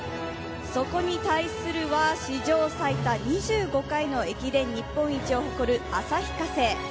そこに対するは、史上最多２５回の駅伝日本一を誇る旭化成。